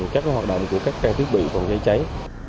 các hoạt động của các trang thiết bị phòng cháy cháy